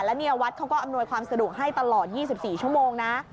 แล้วเนี่ยวัดเขาก็อำนวยความสะดวกให้ตลอด๒๔ชั่วโมงนะ